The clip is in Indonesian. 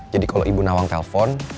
jadi kalo ibu nawang telpon